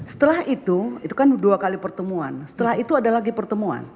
setelah itu itu kan dua kali pertemuan setelah itu ada lagi pertemuan